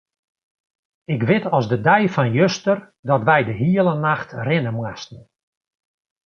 Ik wit as de dei fan juster dat wy de hiele nacht rinne moasten.